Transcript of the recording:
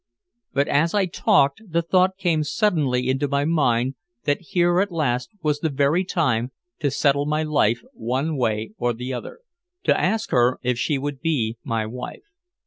But as I talked, the thought came suddenly into my mind that here at last was the very time to settle my life one way or the other, to ask her if she would be my wife.